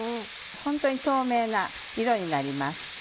ホントに透明な色になります。